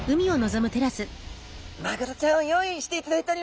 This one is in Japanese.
マグロちゃんを用意していただいております。